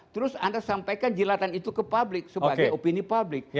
terus anda sampaikan jilatan itu ke publik sebagai opini publik